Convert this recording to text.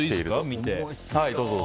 見て。